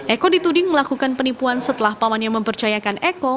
eko dituding melakukan penipuan setelah pamannya mempercayakan eko